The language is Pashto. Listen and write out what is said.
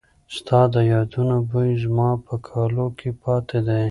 ستا د یادونو بوی زما په کالو کې پاتې دی.